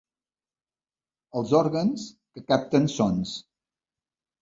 Els òrgans que capten sons.